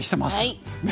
はい。